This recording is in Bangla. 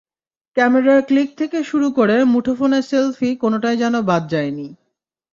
ক্যামেরার ক্লিক থেকে শুরু করে মুঠোফোনে সেলফি কোনোটাই যেন বাদ যায়নি।